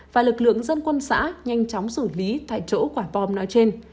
và lực lượng dân quân xã nhanh chóng xử lý tại chỗ quả bom nói trên